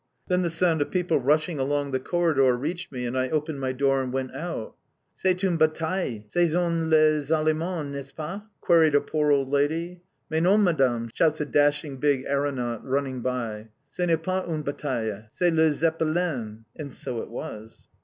Then the sound of people rushing along the corridor reached me, and I opened my door and went out. "C'est une bataille! Ce sont les Allemands, n'est ce pas?" queried a poor old lady. "Mais non, madame," shouts a dashing big aeronaut running by. "Ce n'est pas une bataille. C'est le Zeppelin!" And so it was.